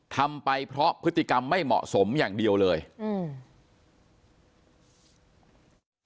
ทำไปเพราะพฤติกรรมไม่เหมาะสมอย่างเดียวเลยอืม